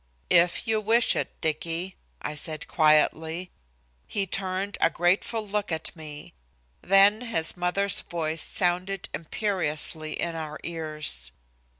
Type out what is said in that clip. "If you wish it, Dicky," I said quietly. He turned a grateful look at me. Then his mother's voice sounded imperiously in our ears.